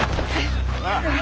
なあ？